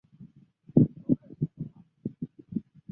个别情况下可能出现。